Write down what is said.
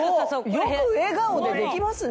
よく笑顔でできますね。